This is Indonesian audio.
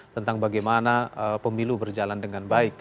tentang bagaimana pemilu berjalan dengan baik